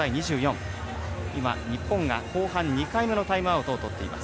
日本が後半２回目のタイムアウトを取っています。